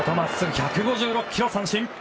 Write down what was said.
１５６キロで三振！